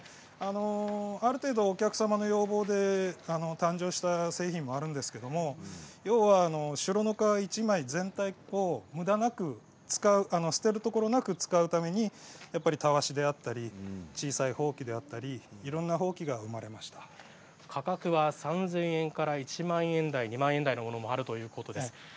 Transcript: ある程度、お客様の要望で誕生した製品もあるんですけれど要するにシュロ皮１枚をむだなく使う捨てるところなく使うためにたわしであったり小さいほうきであったり価格は３０００円から１万円台、２万円台のものもあるそうです。